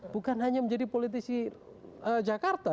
bukan hanya menjadi politisi jakarta